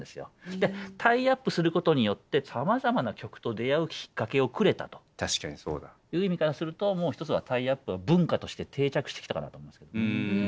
タイアップすることによってさまざまな曲と出会うきっかけをくれたという意味からすると一つはタイアップは文化として定着してきたかなと思いますけどね。